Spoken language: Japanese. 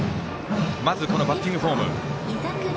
まず、バッティングフォーム。